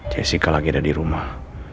jessica lagi ada di rumah